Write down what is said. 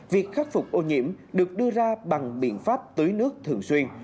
việc khắc phục ô nhiễm được đưa ra bằng biện pháp tưới nước thường xuyên